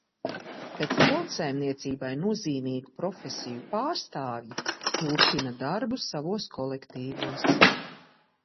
Bet "tautsaimniecībai nozīmīgu" profesiju pārstāvji turpina darbu savos kolektīvos.